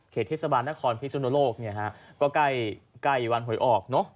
เขตเทศบาลนครพิศนโลกก็ใกล้วันหวยออก